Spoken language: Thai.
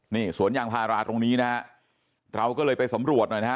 นี่สวนยางพาราตรงนี้นะฮะเราก็เลยไปสำรวจหน่อยนะฮะ